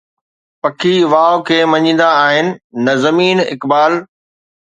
پکي واءُ کي مڃيندا آهن، نه زمين، اقبال